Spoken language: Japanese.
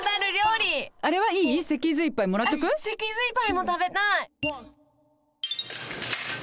脊髄パイも食べたい。